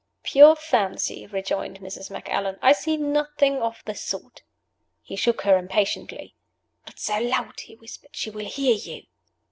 "Pure fancy!" rejoined Mrs. Macallan. "I see nothing of the sort." He shook her impatiently. "Not so loud!" he whispered. "She will hear you."